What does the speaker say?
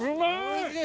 おいしい！